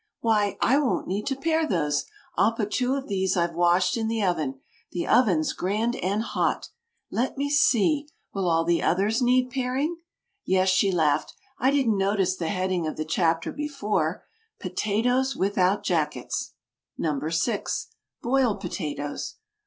"Why, I won't need to pare those! I'll put two of these I've washed in the oven. The oven's grand and hot! "Let me see, will all the others need paring? [Illustration: "I won't need to pare those."] "Yes," she laughed, "I didn't notice the heading of the chapter before "'Potatoes Without Jackets,'" NO. 6. BOILED POTATOES.